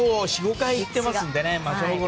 ４５回行っていますけどね。